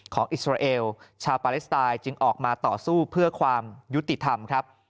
อิสราเอลชาวปาเลสไตน์จึงออกมาต่อสู้เพื่อความยุติธรรมครับ